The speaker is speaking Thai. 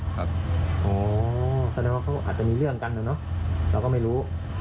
แสดงว่าเขาอาจจะมีเรื่องกันนะเนอะเราก็ไม่รู้